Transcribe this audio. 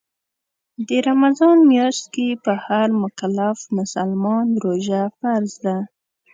د رمضان میاشت کې په هر مکلف مسلمان روژه فرض ده